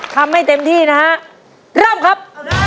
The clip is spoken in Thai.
ทำให้เต็มที่นะฮะเริ่มครับ